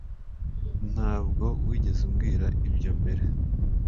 Ntabwo wigeze umbwira ibyo mbere